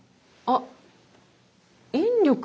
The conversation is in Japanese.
あっ。